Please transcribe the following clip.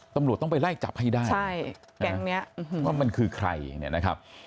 ตำรวจต้องไปไล่จับให้ได้ใช่แก๊งเนี้ยว่ามันคือใครเนี่ยนะครับ